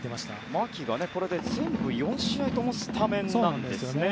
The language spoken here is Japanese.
牧が全部４試合ともスタメンなんですよね。